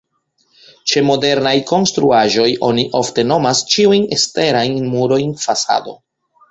Ĉe modernaj konstruaĵoj oni ofte nomas ĉiujn eksterajn murojn fasado.